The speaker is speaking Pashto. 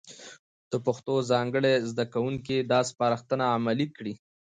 د پښتو څانګې زده کوونکي دا سپارښتنه عملي کړي،